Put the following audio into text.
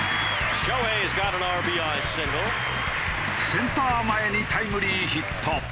センター前にタイムリーヒット。